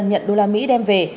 nhận usd đem về